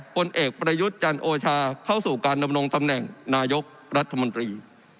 ผลเอกประยุทธ์จันโอชาเข้าสู่การดำรงตำแหน่งนายกรัฐมนตรี